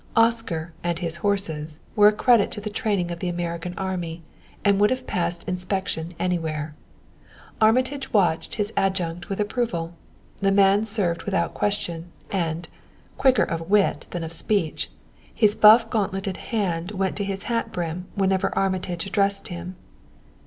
Oscar and his horses were a credit to the training of the American army, and would have passed inspection anywhere. Armitage watched his adjutant with approval. The man served without question, and, quicker of wit than of speech, his buff gauntleted hand went to his hat brim whenever Armitage addressed him.